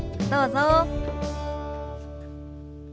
どうぞ。